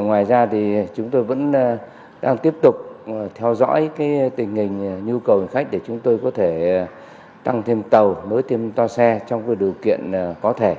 ngoài ra thì chúng tôi vẫn đang tiếp tục theo dõi tình hình nhu cầu hành khách để chúng tôi có thể tăng thêm tàu nối tiêm toa xe trong điều kiện có thể